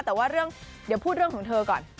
แต่ว่าเรื่องเดี๋ยวพูดเรื่องของเธอก่อน